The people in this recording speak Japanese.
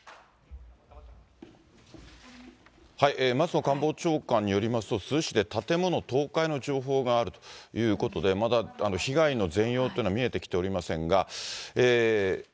松野官房長官によりますと、珠洲市で建物倒壊の情報があるということで、まだ被害の全容というのは見えてきておりませんが。